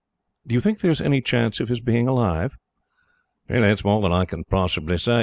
"Do you think that there is any chance of his being still alive?" "That is more than I can possibly say.